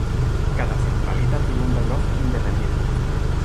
Cada centralita tiene un reloj independiente.